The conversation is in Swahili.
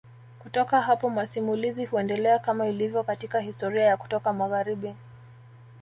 Kutoka hapo masimulizi huendelea kama ilivyo katika historia ya kutoka magharibi